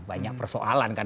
banyak persoalan kan